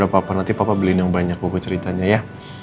gapapa nanti papa beliin yang banyak buku ceritanya ya